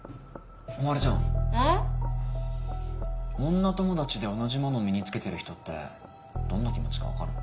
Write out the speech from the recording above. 女友達で同じもの身に着けてる人ってどんな気持ちか分かる？